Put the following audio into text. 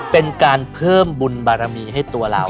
เป็นการเพิ่มบุญบารมีให้ตัวเรา